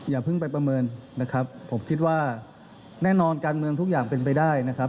อย่าเพิ่งไปประเมินนะครับผมคิดว่าแน่นอนการเมืองทุกอย่างเป็นไปได้นะครับ